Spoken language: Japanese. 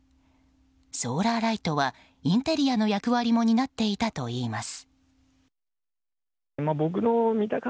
ソーラーライトはインテリアの役割も担っていたといいます。